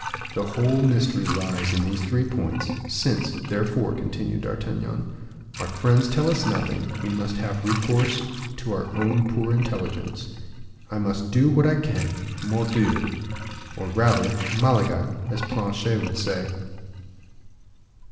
The whole mystery lies in these three points. Since, therefore," continued D'Artagnan, "our friends tell us nothing, we must have recourse to our own poor intelligence. I must do what I can, mordioux, or rather Malaga, as Planchet would say."